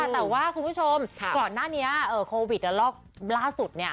แต่ว่าคุณผู้ชมก่อนหน้านี้โควิดระลอกล่าสุด